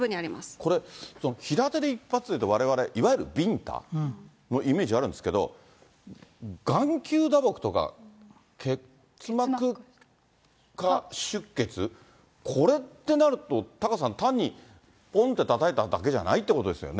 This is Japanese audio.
これ、平手で一発というと、、いわゆるわれわれいわゆるびんたのイメージがあるんですけど、眼球打撲とか結膜下出血、これってなると、タカさん、単にぽんってたたいただけじゃないということですよね。